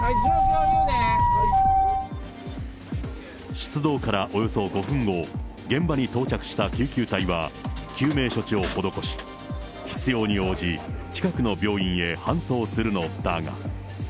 出動からおよそ５分後、現場に到着した救急隊は、救命処置を施し、必要に応じ、近くの病院へ搬送するのだが。